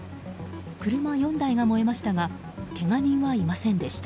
車４台が燃えましたがけが人はいませんでした。